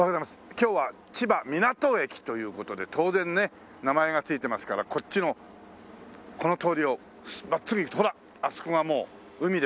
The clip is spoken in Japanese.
今日は千葉みなと駅という事で当然ね名前が付いてますからこっちのこの通りを真っすぐ行くとほらあそこがもう海ですから。